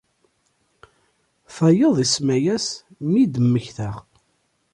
Tayeḍ isemma-as “Mi d-mmektaɣ”.